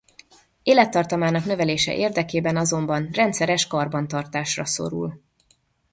Élettartamának növelése érdekében azonban rendszeres karbantartásra szorul.